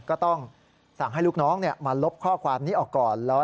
ก็ต้องสั่งให้ลูกน้องมาลบข้อความนี้ออกก่อน